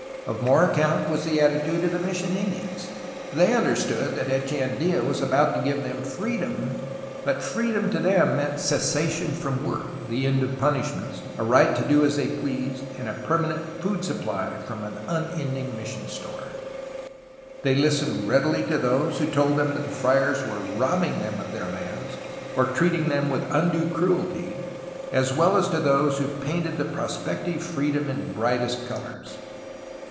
Of more account was the attitude of the mission Indians. They understood that Echeandia was about to give them freedom, but '^freedom" to them meant cessation from work, the end of punishments, a right to do as they pleased, and a permanent food supply from an unending mission store. They listened readily to those who told them that the friars were robbing them of their lands, or treating them with undue cruelty, as well as to those who painted the prospective freedom in brightest colors.